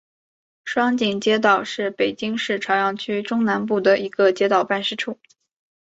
双井街道是北京市朝阳区中南部的一个街道办事处。